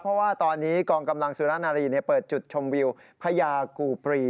เพราะว่าตอนนี้กองกำลังสุรนารีเปิดจุดชมวิวพญากูปรี